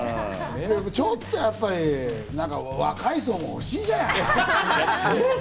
ちょっとやっぱり若い層も欲しいじゃない！